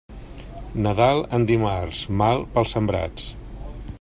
Nadal en dimarts, mal pels sembrats.